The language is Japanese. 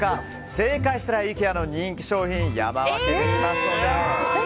正解したらイケアの人気商品を山分けできますので。